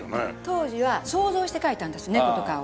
当時は想像して描いたんです猫とかを。